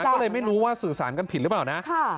ก็เลยไม่รู้ว่าสื่อสารกันผิดหรือเปล่านะ